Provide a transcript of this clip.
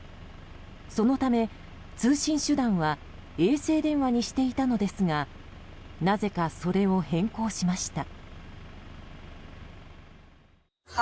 そのため、通信手段は衛星電話にしていたのですがなぜか、それを変更しました。